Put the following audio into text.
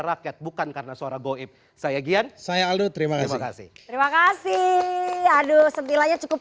rakyat bukan karena suara goib saya gian saya aduh terima kasih terima kasih aduh sentilanya cukup